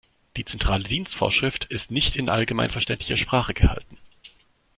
Die Zentrale Dienstvorschrift ist nicht in allgemeinverständlicher Sprache gehalten.